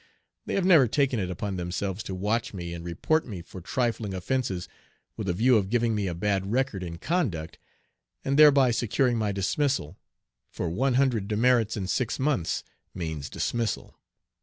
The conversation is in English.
They have never taken it upon themselves to watch me and report me for trifling offences with a view of giving me a bad record in conduct, and thereby securing my dismissal, for one hundred demerits in six months means dismissal.